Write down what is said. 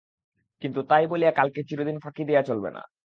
কিন্তু তাই বলিয়া কালকে চিরদিন ফাঁকি দেওয়া তো চলিবে না।